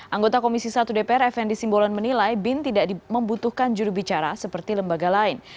anggota komisi satu dpr fnd simbolon menilai bin tidak membutuhkan jurubicara seperti lembaga lain